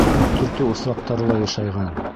Ут төртөү осраҡтары ла йышайған.